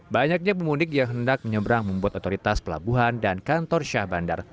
banyaknya pemudik yang hendak menyeberang membuat otoritas pelabuhan dan kantor syah bandar